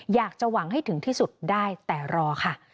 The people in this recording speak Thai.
อยากจะหวังให้ถึงที่สุดได้แต่รอค่ะ